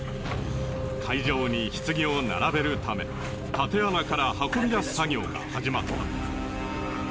会場に棺を並べるためたて穴から運び出す作業が始まった。